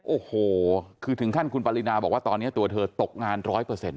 โอ้โหคือถึงขั้นคุณปารินาบอกว่าตอนนี้ตัวเธอตกงาน๑๐๐